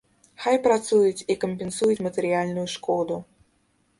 Хай працуюць і кампенсуюць матэрыяльную шкоду.